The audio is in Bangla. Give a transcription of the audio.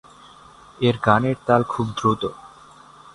এর গানের তাল খুব দ্রুত।